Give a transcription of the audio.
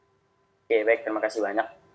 oke baik terima kasih banyak